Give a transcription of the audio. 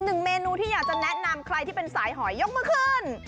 หนึ่งเมนูที่อยากจะแนะนำใครที่เป็นสายหอยยกมือขึ้น